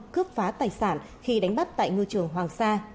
cướp phá tài sản khi đánh bắt tại ngư trường hoàng sa